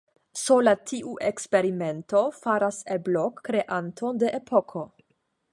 Sola tiu eksperimento faras el Blok kreanton de epoko.